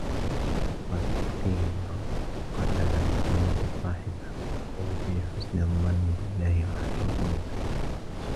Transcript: وَقَدْ قِيلَ قَتَلَ الْقُنُوطُ صَاحِبَهُ ، وَفِي حُسْنِ الظَّنِّ بِاَللَّهِ رَاحَةُ الْقُلُوبِ